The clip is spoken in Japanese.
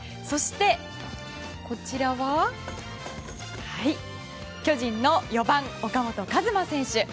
そして、こちらは巨人の４番、岡本和真選手。